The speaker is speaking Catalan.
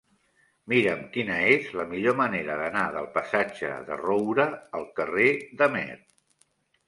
Mira'm quina és la millor manera d'anar del passatge de Roura al carrer d'Amer.